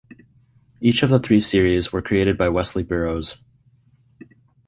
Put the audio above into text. Each of the three series were created by Wesley Burrowes.